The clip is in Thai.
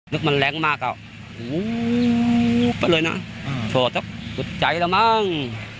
นึกมันแรงมากอ่ะโหไปเลยนะโทษครับจุดใจแล้วมั้ง